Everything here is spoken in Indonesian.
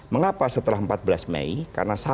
mengapa setelah empat belas mei karena